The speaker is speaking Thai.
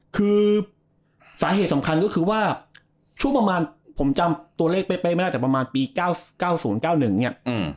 คือสาเหตุสำคัญก็คือว่าช่วงประมาณผมจำตัวเลขเป๊ะไม่ได้แต่ประมาณปี๙๙๐๙๑เนี่ย